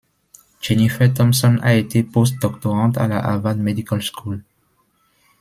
Jennifer Thomson a été post-doctorante à la Harvard Medical School.